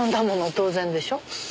当然でしょ。